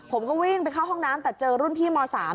ผมก็วิ่งไปเข้าห้องน้ำแต่เจอรุ่นพี่ม๓